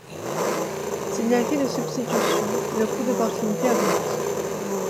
S'il y a effet de substitution, le coût d'opportunité augmente.